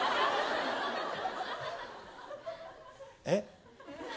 えっ？